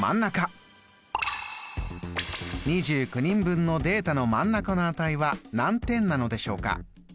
２９人分のデータの真ん中の値は何点なのでしょうか？